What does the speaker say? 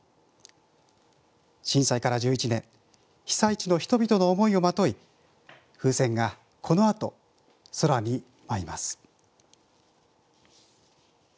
震災から１１年被災地の人々の思いをまとい風船がこのあと空に舞います。